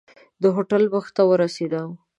د هوټل مخې ته ورسېدم.